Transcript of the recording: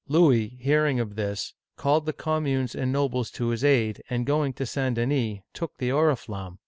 Louis, hearing of this, called the com munes and nobles to his aid, and going to St. Denis, took the oriflamme.